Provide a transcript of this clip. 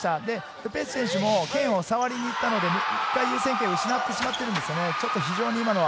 ル・ペシュ選手も剣を触りに行ったので、一回、優先権を失ってしまっているんです。